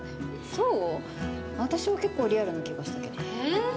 私は結構リアルな気がしたけど。